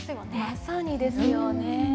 まさにですよね。